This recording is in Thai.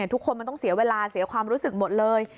ทุกคนมันต้องเสียเวลาเสียความรู้สึกหมดเลย